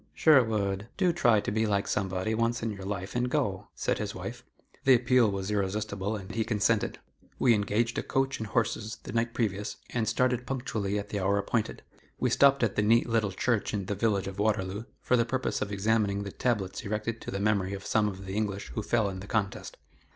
"Sherwood, do try to be like somebody, once in your life, and go," said his wife. The appeal was irresistible, and he consented. We engaged a coach and horses the night previous, and started punctually at the hour appointed. We stopped at the neat little church in the village of Waterloo, for the purpose of examining the tablets erected to the memory of some of the English who fell in the contest.